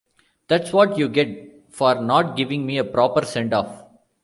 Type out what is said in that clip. That's what you get for not giving me a proper send off.